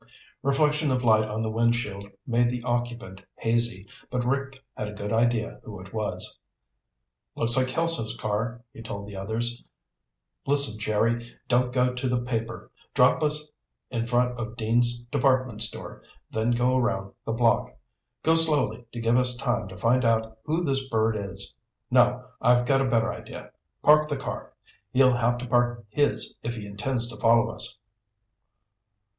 Reflection of light on the windshield made the occupant hazy, but Rick had a good idea who it was. "Looks like Kelso's car," he told the others. "Listen, Jerry, don't go to the paper. Drop us in front of Dean's Department Store, then go around the block. Go slowly to give us time to find out who this bird is. No, I've got a better idea. Park the car. He'll have to park his if he intends to follow us."